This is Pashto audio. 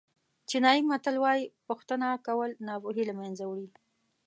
چینایي متل وایي پوښتنه کول ناپوهي له منځه وړي.